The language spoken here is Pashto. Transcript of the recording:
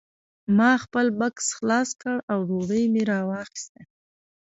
ما خپل بکس خلاص کړ او ډوډۍ مې راواخیسته